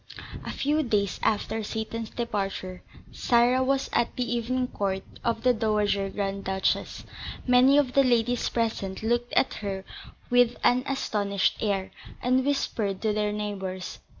A few days after Seyton's departure, Sarah was at the evening court of the Dowager Grand Duchess. Many of the ladies present looked at her with an astonished air, and whispered to their neighbours.